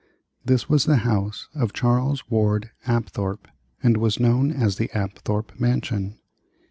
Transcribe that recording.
This was the house of Charles Ward Apthorpe and was known as the Apthorpe mansion.